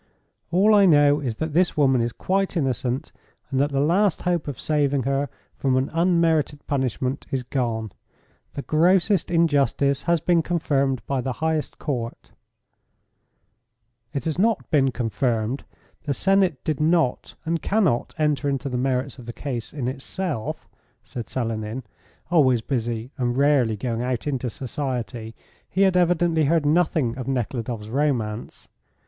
"All I know is that this woman is quite innocent, and that the last hope of saving her from an unmerited punishment is gone. The grossest injustice has been confirmed by the highest court." "It has not been confirmed. The Senate did not and cannot enter into the merits of the case in itself," said Selenin. Always busy and rarely going out into society, he had evidently heard nothing of Nekhludoff's romance.